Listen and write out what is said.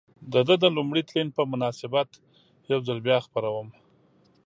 د ده د لومړي تلین په مناسبت یو ځل بیا خپروم.